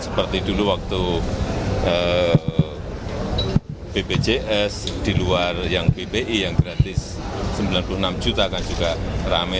seperti dulu waktu bpjs di luar yang bpi yang gratis sembilan puluh enam juta kan juga rame